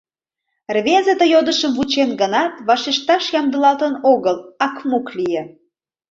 Рвезе ты йодышым вучен гынат, вашешташ ямдылалтын огыл, акмук лие.